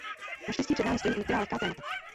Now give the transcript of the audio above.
Naštěstí před námi stojí i některá lehká témata.